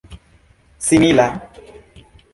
simila